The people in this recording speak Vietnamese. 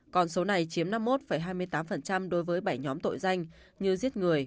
còn số này chiếm năm mươi một hai mươi tám đối với bảy nhóm tội danh như giết người